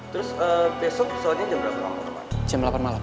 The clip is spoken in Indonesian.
terus besok pesawatnya jam berapa